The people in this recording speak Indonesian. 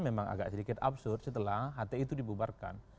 memang agak sedikit absurd setelah hti itu dibubarkan